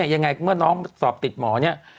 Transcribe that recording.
ยังไงเมื่อน้องสอบติดหมอเนี่ย